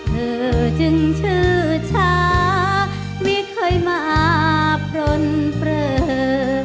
เธอจึงชื่อช้าไม่เคยมาปลนเปลือ